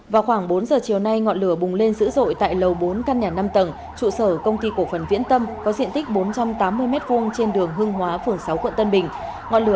vào khoảng bốn giờ chiều nay ngọn lửa bùng lên dữ dội tại lầu bốn căn nhà năm tầng trụ sở công ty cổ phần viễn tâm có diện tích bốn trăm tám mươi m hai trên đường hương hóa phường sáu quận tân bình